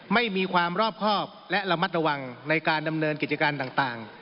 ไม่มีความรอบครอบและระมัดระวังในการดำเนินกิจการต่าง